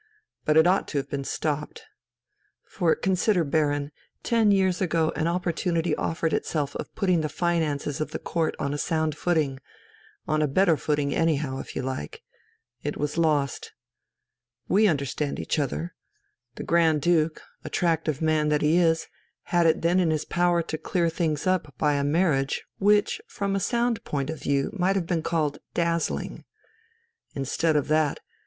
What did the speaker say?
But it ought to have been stopped. For consider, Baron; ten years ago an opportunity offered itself of putting the finances of the Court on a sound footing, on a better footing anyhow, if you like. It was lost. We understand each other. The Grand Duke, attractive man that he is, had it then in his power to clear things up by a marriage which from a sound point of view might have been called dazzling. Instead of that